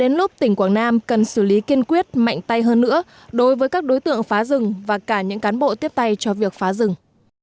đến lúc tỉnh quảng nam cần xử lý kiên quyết mạnh tay hơn nữa đối với các đối tượng phá rừng và cả những cán bộ tiếp tay cho việc phá rừng